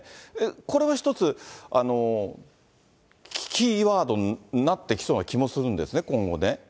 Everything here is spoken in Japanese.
これは一つ、キーワードになってきそうな気もするんですね、今後ね。